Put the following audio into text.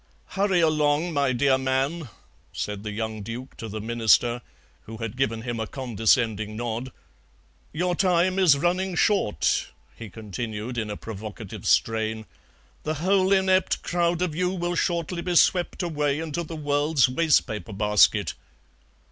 "Hurry along, my dear man," said the young Duke to the Minister, who had given him a condescending nod; "your time is running short," he continued in a provocative strain; "the whole inept crowd of you will shortly be swept away into the world's waste paper basket."